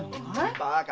バカ！